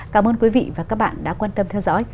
cảm ơn quý vị và các bạn đã quan tâm theo dõi